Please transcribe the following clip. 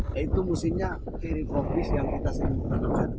yaitu musimnya hairy frog fish yang kita sedang menemukan